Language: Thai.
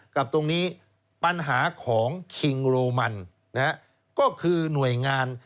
กับตรงนี้ปัญหาของนะฮะก็คือหน่วยงาน